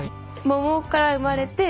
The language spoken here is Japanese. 桃から生まれて。